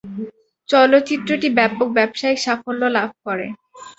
চলচ্চিত্রটি ব্যাপক ব্যবসায়িক সাফল্য লাভ করে।